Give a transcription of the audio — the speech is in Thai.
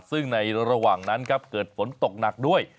ซึ่งในระหว่างนั้นครับเกิดฝนตกหนักด้วย